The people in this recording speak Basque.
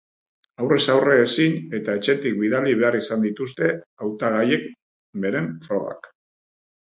Aurrez aurre ezin, eta etxetik bidali behar izan dituzte hautagaiek beren frogak.